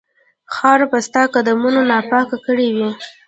خاوره به ستا قدمونو ناپاکه کړې وي.